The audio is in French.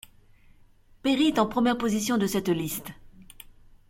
Perry est en première position de cette liste.